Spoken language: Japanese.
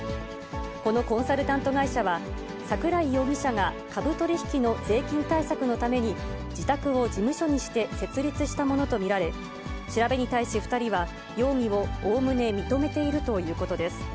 このコンサルタント会社は、桜井容疑者が株取引の税金対策のために、自宅を事務所にして設立したものと見られ、調べに対し、２人は容疑をおおむね認めているということです。